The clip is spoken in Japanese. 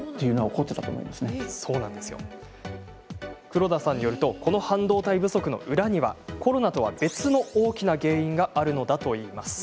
黒田さんによるとこの半導体不足の裏にはコロナとは別の大きな原因があるのだといいます。